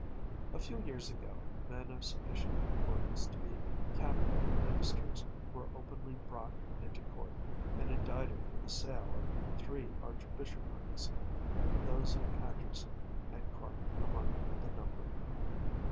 A few years ago, men of sufficient importance to be Cabinet Ministers were openly brought into court, and indicted for the sale of three archbishoprics, those of Patras and Corinth among the number.